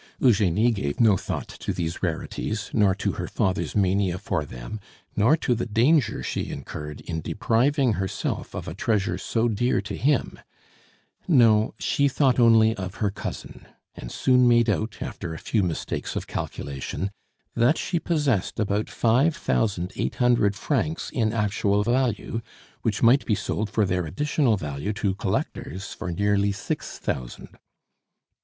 Eugenie gave no thought to these rarities, nor to her father's mania for them, nor to the danger she incurred in depriving herself of a treasure so dear to him; no, she thought only of her cousin, and soon made out, after a few mistakes of calculation, that she possessed about five thousand eight hundred francs in actual value, which might be sold for their additional value to collectors for nearly six thousand.